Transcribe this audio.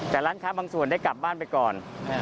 แต่ร้านค้าบางส่วนได้กลับบ้านไปก่อน